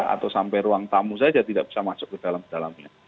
atau sampai ruang tamu saja tidak bisa masuk ke dalam dalamnya